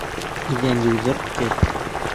Иҙән йыуҙырт, кер.